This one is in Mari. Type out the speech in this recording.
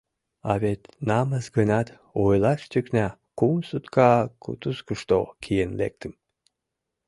А вет намыс гынат, ойлаш тӱкна, кум сутка кутузкышто киен лектым.